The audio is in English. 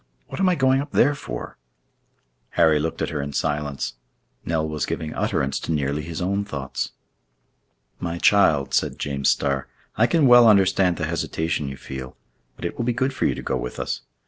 What am I going up there for?" Harry looked at her in silence. Nell was giving utterance to nearly his own thoughts. "My child," said James Starr, "I can well understand the hesitation you feel; but it will be good for you to go with us.